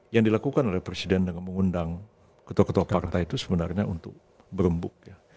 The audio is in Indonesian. yang dilakukan oleh presiden dengan mengundang ketua ketua partai itu sebenarnya untuk berembuk ya